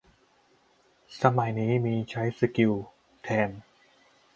สมัยนี้มีใช้สกิล แทน